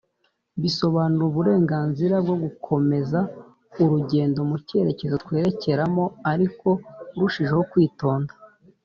bisobanura uburenganzira bwogukomeza urugendo mucyerekezo twerekeramo ariko urushijeho kwitonda